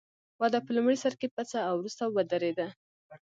وده په لومړي سر کې پڅه او وروسته ودرېده.